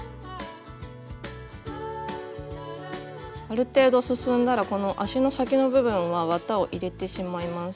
ある程度進んだらこの足の先の部分は綿を入れてしまいます。